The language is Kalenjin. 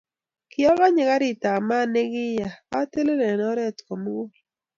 Kiakonyi garit ap mat ne kiyaa atelel eng oret komugul